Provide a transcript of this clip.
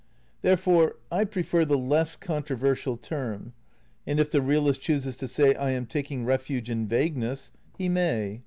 Therefore I prefer the less controversial term, and if the realist chooses to say I am taking ref uge in vagueness, he may.